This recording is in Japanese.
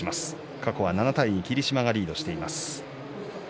過去は７対２霧島がリードしています。